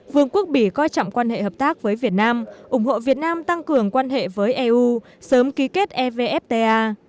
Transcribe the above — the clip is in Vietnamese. vương quốc bỉ coi trọng quan hệ hợp tác với việt nam ủng hộ việt nam tăng cường quan hệ với eu sớm ký kết evfta